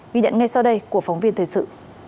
ghi nhận ngay sau đây của phóng viên thời sự